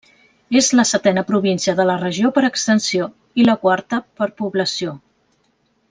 És la setena província de la regió per extensió, i la quarta per població.